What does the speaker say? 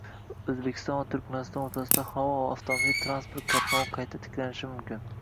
O‘zbekiston va Turkmaniston o‘rtasida havo va avtomobil transport qatnovi qayta tiklanishi mumkin